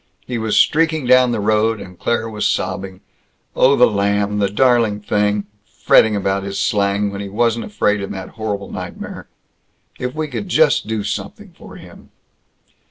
He was streaking down the road, and Claire was sobbing, "Oh, the lamb, the darling thing! Fretting about his slang, when he wasn't afraid in that horrible nightmare. If we could just do something for him!"